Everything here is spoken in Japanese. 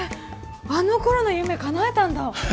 あの頃の夢かなえたんだは